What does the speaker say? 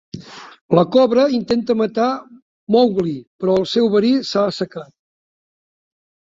La cobra intenta matar Mowgli, però el seu verí s'ha assecat.